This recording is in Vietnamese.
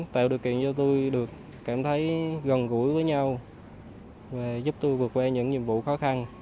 tạo điều kiện cho tôi được cảm thấy gần gũi với nhau và giúp tôi vượt qua những nhiệm vụ khó khăn